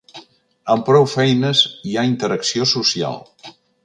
Amb prou feines hi ha interacció social.